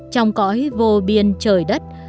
trong cõi vô biên trời đất